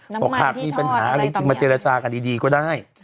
แล้วข้าวมีปัญหาอะไรจะมาเจรจากันดีก็ได้